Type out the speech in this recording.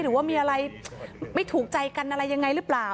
หรือว่ามีอะไรไม่ถูกใจกันอะไรยังไงหรือเปล่า